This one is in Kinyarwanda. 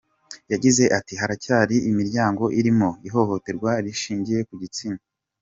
Yagize ati “Haracyari imiryango irimo ihohoterwa rishingiye ku gitsina.